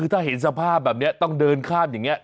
ถ้าเห็นสภาพแบบนี้ต้องเดินข้ามอย่างนี้